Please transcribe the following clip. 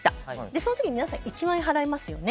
その時に皆さん１万円払いますよね。